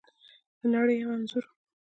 د نړۍ یو انځور